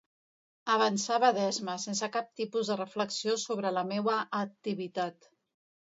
Avançava d'esma, sense cap tipus de reflexió sobre la meua activitat.